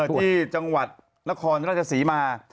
ที่จังหวัดนครราชศรีมา